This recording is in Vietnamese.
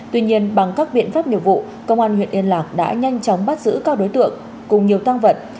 tuy nhiên bằng các biện pháp nghiệp vụ công an huyện yên lạc đã nhanh chóng bắt giữ các đối tượng cùng nhiều tăng vật